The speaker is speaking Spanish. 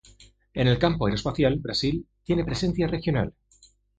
En el campo aeroespacial Brasil tiene presencia regional.